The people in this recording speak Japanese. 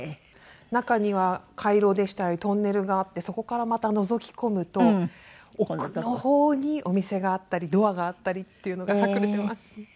中には回廊でしたりトンネルがあってそこからまたのぞき込むと奥の方にお店があったりドアがあったりっていうのが隠れています。